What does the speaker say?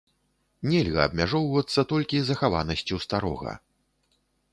Нельга абмяжоўвацца толькі захаванасцю старога.